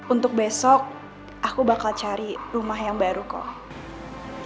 untuk besok aku bakal cari rumah yang baru kok